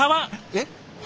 えっ？